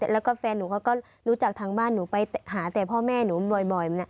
แล้วก็แฟนหนูเขาก็รู้จักทางบ้านหนูไปหาแต่พ่อแม่หนูบ่อย